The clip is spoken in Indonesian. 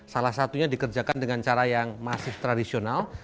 salah satunya dikerjakan dengan cara yang masih tradisional